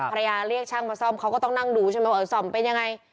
เรียกช่างมาซ่อมเขาก็ต้องนั่งดูใช่ไหมว่าเออซ่อมเป็นยังไง